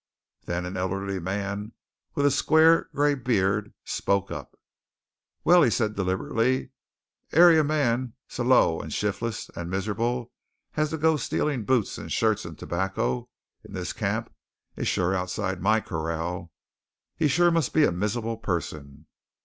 Then an elderly man with a square gray beard spoke up. "Well," said he deliberately, "airy man so low down and shif'less and miserable as to go to stealin' boots and shirts and tobacco in this camp is shore outside my corral. He sure must be a miserable person.